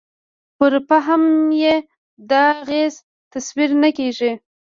پر فهم یې د اغېز تصور نه کېږي.